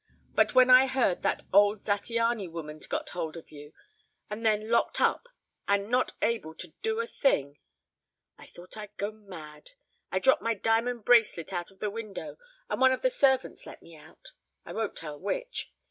But when I heard that old Zattiany woman'd got hold of you and then locked up and not able to do a thing I thought I'd go mad. I dropped my diamond bracelet out of the window and one of the servants let me out I won't tell which.